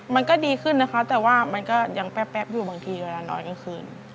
มันก็ดีขึ้นนะคะแต่ว่ามันก็ยังแป๊บอยู่บางทีเวลานอนกลางคืน